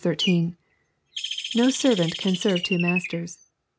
— [No servant can serve two masters.